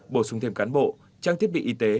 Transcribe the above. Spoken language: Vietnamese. bổ sung thêm cán bộ trang thiết bị y tế